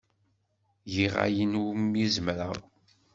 Giɣ ayen umi zemreɣ.